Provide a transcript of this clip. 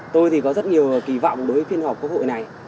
tôi thì có rất nhiều kỳ vọng đối với phiên họp quốc hội này